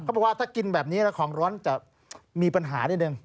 บอกว่าถ้ากินแบบนี้แล้วของร้อนจะมีปัญหานิดนึง